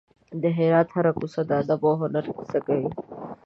د هرات هره کوڅه د ادب او هنر کیسه کوي.